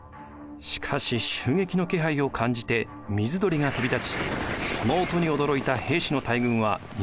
しかし襲撃の気配を感じて水鳥が飛び立ちその音に驚いた平氏の大軍は逃げてしまいます。